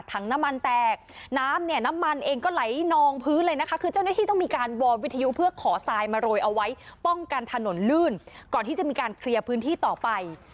น้ำมันแตกน้ำเนี่ยน้ำมันเองก็ไหลนองพื้นเลยนะคะคือเจ้าหน้าที่ต้องมีการวอร์มวิทยุเพื่อขอทรายมาโรยเอาไว้ป้องกันถนนลื่นก่อนที่จะมีการเคลียร์พื้นที่ต่อไป